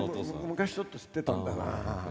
昔ちょっと知ってたんだな。